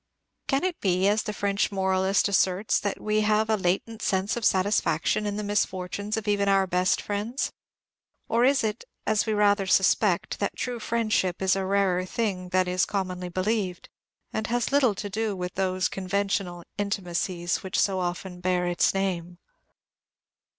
Can it be, as the French moralist asserts, that we have a latent sense of satisfaction in the misfortunes of even our best friends; or is it, as we rather suspect, that true friendship is a rarer thing than is commonly believed, and has little to do with those conventional intimacies which so often bear its name?